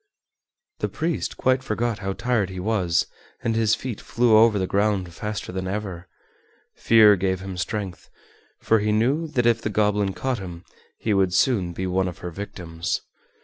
The priest quite forgot how tired he was and his feet flew over the ground faster than ever. Fear gave him strength, for he knew that if the goblin caught him he would soon be one of her victims.